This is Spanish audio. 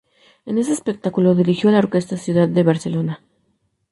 En este espectáculo dirigió a la Orquesta Ciudad de Barcelona.